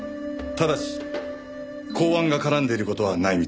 ただし公安が絡んでいる事は内密に。